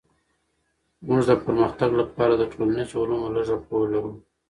موږ د پرمختګ لپاره د ټولنيزو علومو لږه پوهه لرو.